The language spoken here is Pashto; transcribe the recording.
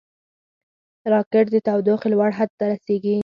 راکټ د تودوخې لوړ حد ته رسېږي